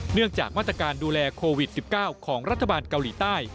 เนื่องจากมาตรการดูแลโควิด๑๙ของรัฐบาลเกาหลีใต้